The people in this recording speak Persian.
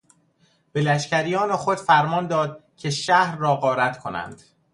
به لشکریان خود فرمان داد که شهر را غارت کنند.